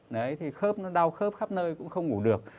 đấy thì khớp nó đau khớp khắp nơi cũng không ngủ được